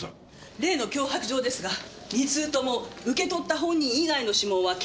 例の脅迫状ですが２通とも受け取った本人以外の指紋は検出されていません。